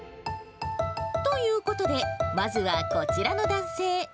ということで、まずはこちらの男性。